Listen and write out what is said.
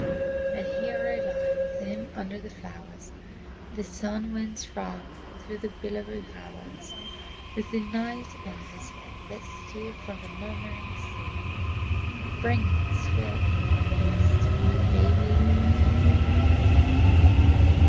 And here I lie with him under the flowers That sun winds rock through the billowy hours, With the night airs that steal from the murmuring sea, Bringing sweet peace to my baby and me.